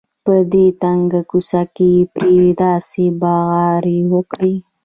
په دې تنګه کوڅه کې یې پرې داسې بغارې وکړې.